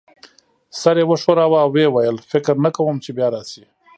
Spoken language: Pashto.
سر یې وښوراوه او ويې ویل: فکر نه کوم چي بیا راشې.